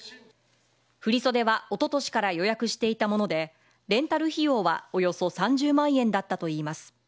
振り袖はおととしから予約していたもので、レンタル費用はおよそ３０万円だったといいます。